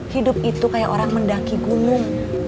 hidup itu kayak orang mendaki gunung